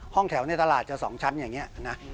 ห้องแถวในตลาดจะ๒ชั้นอย่างนี้นะ